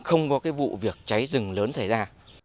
không có vụ việc cháy rừng lớn xảy ra